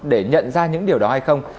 để nhận ra những điều tốt đẹp